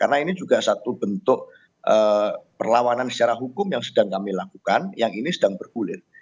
karena ini juga satu bentuk perlawanan secara hukum yang sedang kami lakukan yang ini sedang bergulir